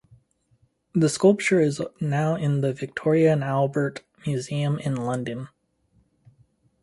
The sculpture is now in the Victoria and Albert Museum in London.